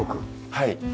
はい。